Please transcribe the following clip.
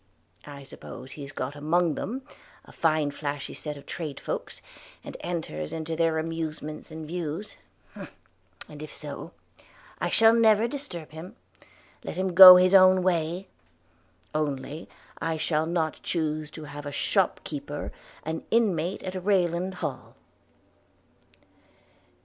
I suppose he's got among them – a fine flashy set of tradesfolks – and enters into their amusements and views; and if so, I shall never disturb him, let him go his own way; only I shall not choose to have a shopkeeper an inmate at Rayland Hall.'